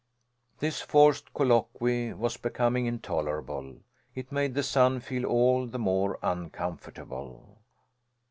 This forced colloquy was becoming intolerable. It made the son feel all the more uncomfortable.